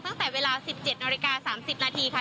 ตั้งแต่เวลา๑๗นาฬิกา๓๐นาทีค่ะ